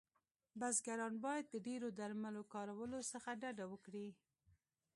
بزګران باید د ډیرو درملو کارولو څخه ډډه وکړی